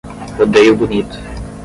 Rodeio Bonito